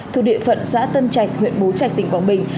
thuộc địa phận xã tân trạch huyện bố trạch tỉnh quảng bình